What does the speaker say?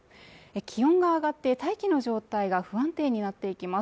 気温が上がって大気の状態が不安定になっていきます